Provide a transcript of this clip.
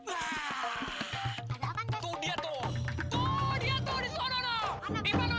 eh mak mendingan kita cari si ella sama si ipan